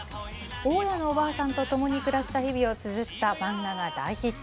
大家のおばあさんと共に暮らした日々をつづった漫画が大ヒット。